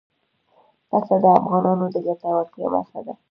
پسه د افغانانو د ګټورتیا برخه ده.